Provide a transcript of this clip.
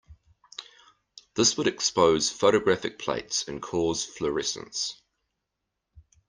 This would expose photographic plates and cause fluorescence.